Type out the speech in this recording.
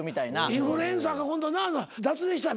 インフルエンサーが今度な脱税したみたいやんな。